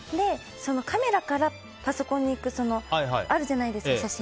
カメラからパソコンにいくあるじゃないですか、写真。